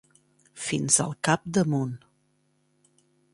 Fins al capdamunt.